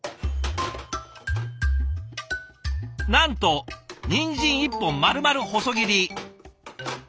なんとにんじん１本まるまる細切り。